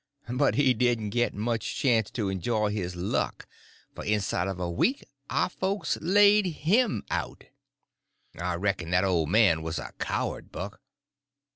But he didn't git much chance to enjoy his luck, for inside of a week our folks laid him out." "I reckon that old man was a coward, Buck."